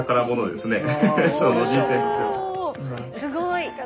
おすごい！